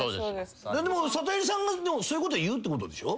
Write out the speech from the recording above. でもサトエリさんがそういうこと言うってことでしょ？